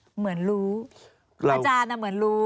เหมือนรู้อาจารย์เหมือนรู้